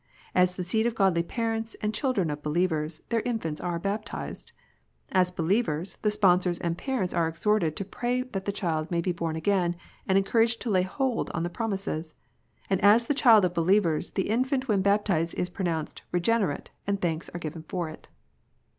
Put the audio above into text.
As the seed of godly parents and children of be lievers, their infants are baptized. As believers, the sponsors and parents are exhorted to pray that the child may be born again, and encouraged to lay hold on the promises. And as the child of believers the infant when baptized is pronounced " re generate," and thanks are given for it.